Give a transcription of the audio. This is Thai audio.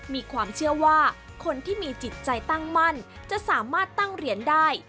มีความเชื่อว่าคนที่มีจิตใจตั้งมั่นจะสามารถตั้งเหรียญได้